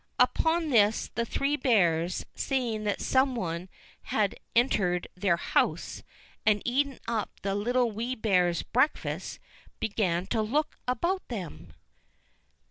Upon this the Three Bears, seeing that some one had entered their house, and eaten up the Little Wee Bear's breakfast, began to look about them.